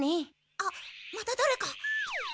あっまただれか。